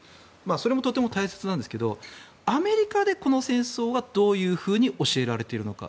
それもとっても大切なんですがアメリカでこの戦争はどういうふうに教えられているのか。